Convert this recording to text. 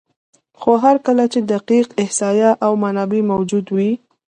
خو هر کله چې دقیق احصایه او منابع موجود وي،